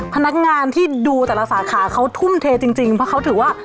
พนักงานที่ดูแต่ละสาขาเขาทุ่มเทจริงเพราะเขาถือว่า